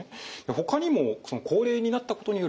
ほかにも高齢になったことによるリスク